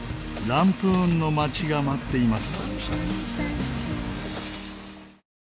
ランプーンの町が待っています。